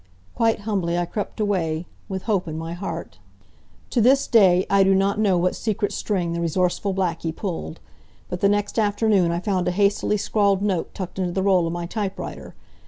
Quite humbly I crept away, with hope in my heart. To this day I do not know what secret string the resourceful Blackie pulled. But the next afternoon I found a hastily scrawled note tucked into the roll of my typewriter.